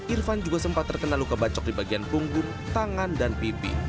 irfan juga sempat terkena luka bacok di bagian punggung tangan dan pipi